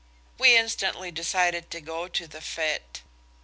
We instantly decided to go to the fête.